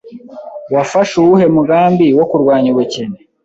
Wafashe uwuhe mugambi wo kurwanya ubukene?